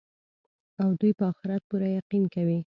او دوى په آخرت پوره يقين كوي